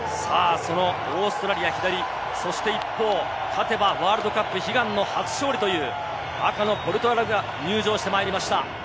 オーストラリア左、一方、勝てばワールドカップ悲願の初勝利という赤のポルトガルが入場してきました。